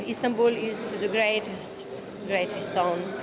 istanbul adalah kota yang paling besar